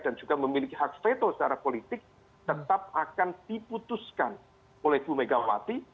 dan juga memiliki hak veto secara politik tetap akan diputuskan oleh tumegawati